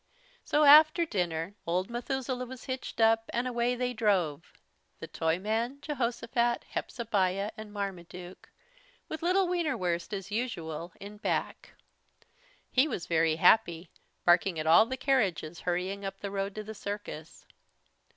So, after dinner, old Methuselah was hitched up, and away they drove, the Toyman, Jehosophat, Hepzebiah, and Marmaduke, with little Wienerwurst, as usual, in back. He was very happy, barking at all the carriages hurrying up the road to the circus.